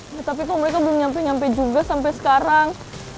ya tapi kok mereka belum nyampe nyampe juga sampai sekarang